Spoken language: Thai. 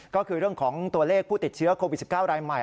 ก็คือเรื่องของตัวเลขผู้ติดเชื้อโควิด๑๙รายใหม่